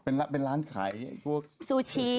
มันเป็นร้านขายพวกซุชิ